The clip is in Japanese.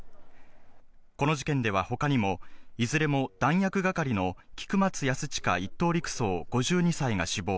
この事件では他にも、いずれも弾薬係の菊松安親１等陸曹、５２歳が死亡。